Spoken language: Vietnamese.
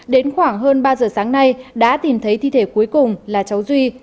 đến khoảng hơn ba giờ sáng nay đã tìm thấy thi thể cuối cùng là cháu duy